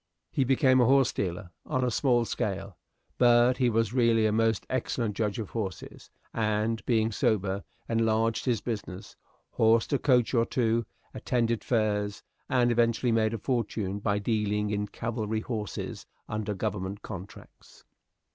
He became a horse dealer on a small scale: but he was really a most excellent judge of horses, and, being sober, enlarged his business; horsed a coach or two; attended fairs, and eventually made a fortune by dealing in cavalry horses under government contracts.